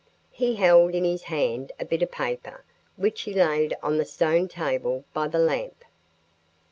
He held in his hand a bit of paper which he laid on the stone table by the lamp.